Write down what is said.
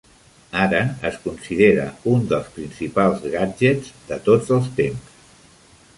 Ara es considera un dels principals gadgets de tots els temps.